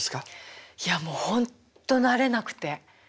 いやもうほんと慣れなくて。